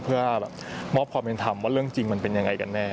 เพื่อมอบความเป็นธรรมว่าเรื่องจริงมันเป็นยังไงกันแน่